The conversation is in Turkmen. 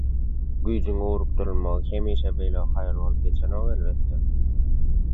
Güýjüň ugrukdurylmagy hemişe beýle haýal bolup geçenok elbetde.